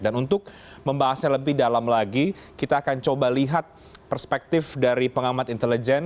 untuk membahasnya lebih dalam lagi kita akan coba lihat perspektif dari pengamat intelijen